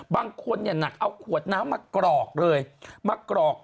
บางคนเนี่ยหนักเอาขวดน้ำมากรอกเลยมากรอก